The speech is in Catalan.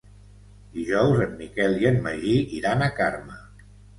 Dijous en Miquel i en Magí iran a Carme.